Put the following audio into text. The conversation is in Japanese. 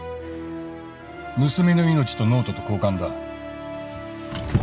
娘の命とノートと交換だ。